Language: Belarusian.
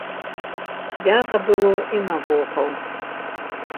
Свята было і навокал.